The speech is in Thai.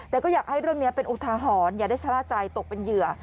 แต่ก็อยากให้เรื่องนี้เป็นอุทาหรณ์อย่าได้ชะล่าใจตกเป็นเหยื่อ